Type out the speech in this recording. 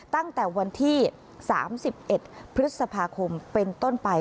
ตั้งแต่วันที่๓๑พฤษภาคมเป็นต้นไป